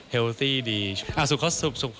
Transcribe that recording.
เฮลธี่ดีอ่าสุดสุดสุด